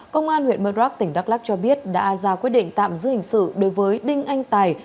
công an huyện murdrock tỉnh đắk lắc cho biết đã ra quyết định tạm giữ hình sự đối với đinh anh tài